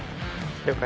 了解。